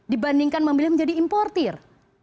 dibandingkan memilih menjadi importir